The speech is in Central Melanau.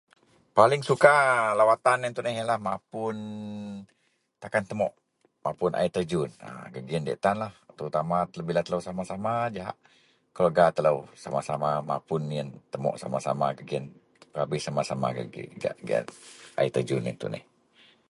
paling suka lawatan ien tuneh ienlah mapun takan temok, mapun air tejun a gak gien diyak tanlah terutama bila telou sama-sama jahak keluarga telou sama-sama mapun ien, temok sama-sama gak gien, berabih sama-sama gak giaan air terjun ien tuneh